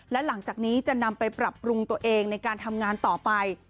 และหลังจากนี้จะนำไปปรับปรุงตัวเองในการทำงานต่อไป